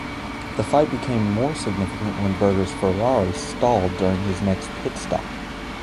The fight became more significant when Berger's Ferrari stalled during his next pit stop.